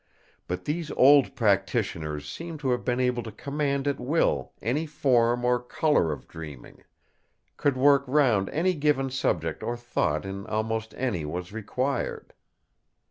But these old practitioners seemed to have been able to command at will any form or colour of dreaming; could work round any given subject or thought in almost any was required.